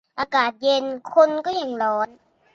อากาศเย็น คนก็ยังร้อน